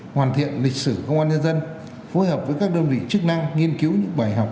hoàn thiện lịch sử công an nhân dân phối hợp với các đơn vị chức năng nghiên cứu những bài học